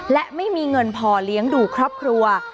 และไม่มีเงินพอเลี้ยงดูครอบครัว